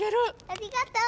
ありがとう！